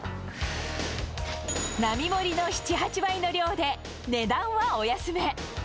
並盛の７、８倍の量で値段はお安め。